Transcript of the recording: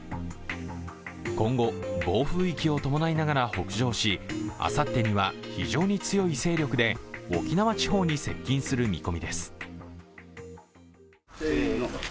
今後、暴風域を伴いながら北上し、あさってには非常に強い勢力で沖縄地方に接近する見込みです。